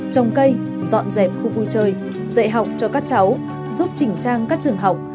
trồng cây dọn dẹp khu vui chơi dạy học cho các cháu giúp chỉnh trang các trường học